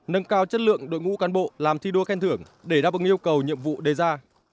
nâng cao chất lượng đội ngũ cán bộ làm thi đua khen thưởng để đáp ứng yêu cầu nhiệm vụ đề ra